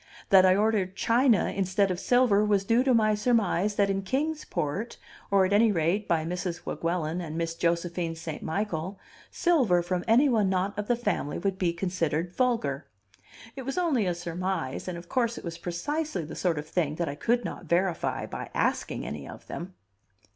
That I ordered china, instead of silver, was due to my surmise that in Kings Port or at any rate by Mrs. Weguelin and Miss Josephine St. Michael silver from any one not of the family would be considered vulgar; it was only a surmise, and, of course, it was precisely the sort of thing that I could not verify by asking any of them.